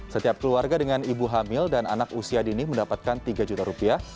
setiap keluarga dengan ibu hamil dan anak usia dini mendapatkan rp tiga